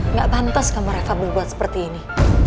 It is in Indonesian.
nggak pantas kamu mereka berbuat seperti ini